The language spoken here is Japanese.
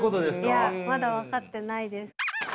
いやまだ分かってないです。